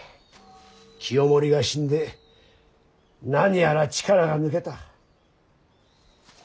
清盛が死んで何やら力が抜けた。